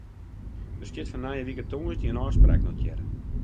Der stiet foar nije wike tongersdei in ôfspraak notearre.